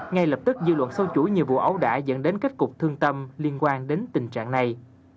ngay lập tức dư luận sâu chuỗi nhiều vụ ấu đã dẫn đến kết cục thương tâm liên quan đến tình trạng này